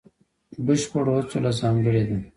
بشپړو هڅو له ځانګړې ده.